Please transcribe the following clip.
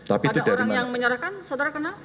ada orang yang menyerahkan saudara kenal